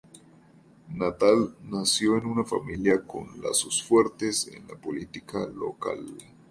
Natal nació en una familia con lazos fuertes en la política local.